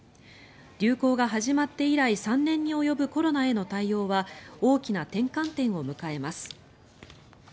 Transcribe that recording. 流行が始まって以来３年に及ぶコロナへの対応は大きな転換点を迎えます。